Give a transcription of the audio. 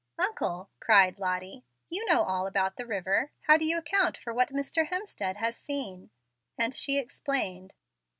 "Uncle," cried Lottie, "you know all about the river. How do you account for what Mr. Hemstead has seen?" and she explained.